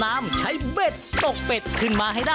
ดูให้จัดการ